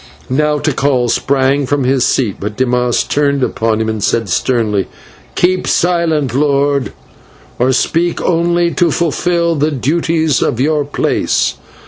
Now Tikal sprang from his seat, but Dimas turned upon him and said sternly: "Keep silent, lord, or speak only to fulfil the duties of your place.